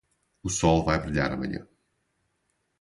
O sol vai brilhar amanhã.